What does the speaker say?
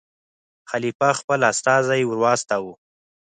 خلیفه خپل استازی ور واستاوه.